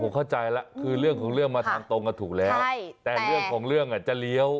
เข้าใจแล้วคือเรื่องของเรื่องมาทางตรงอ่ะถูกแล้วใช่แต่เรื่องของเรื่องอ่ะจะเลี้ยว